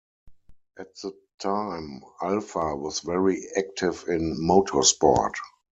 At the time, Alfa was very active in motorsport.